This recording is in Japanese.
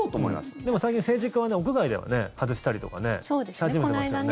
でも最近、政治家は屋外では外したりとかし始めてますよね。